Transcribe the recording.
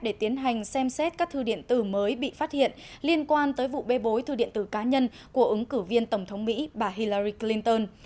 để tiến hành xem xét các thư điện tử mới bị phát hiện liên quan tới vụ bê bối thư điện tử cá nhân của ứng cử viên tổng thống mỹ bà hillari clinton